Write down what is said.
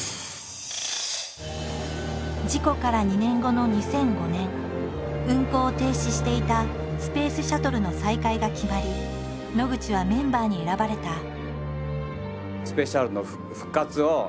事故から２年後の２００５年運行を停止していたスペースシャトルの再開が決まり野口はメンバーに選ばれた。